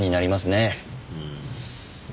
うん。